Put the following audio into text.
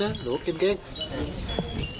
ถ้าหนูทำแบบนั้นพ่อจะไม่มีรับบายเจ้าให้หนูได้เอง